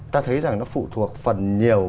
ta thấy rằng nó phụ thuộc phần nhiều